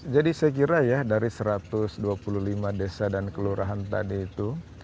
jadi saya kira ya dari satu ratus dua puluh lima desa dan kelurahan tadi itu